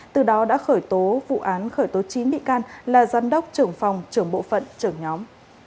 từ đó đã khởi tố vụ án khởi tố chín bị can là giám đốc trưởng phòng trưởng bộ phận trưởng nhóm